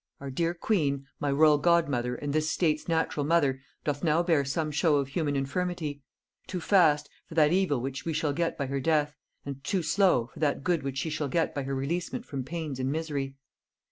Our dear queen, my royal godmother and this state's natural mother, doth now bear some show of human infirmity; too fast, for that evil which we shall get by her death, and too slow, for that good which she shall get by her releasement from pains and misery.